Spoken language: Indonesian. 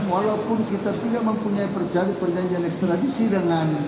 walaupun kita tidak mempunyai perjanjian ekstradisi dengan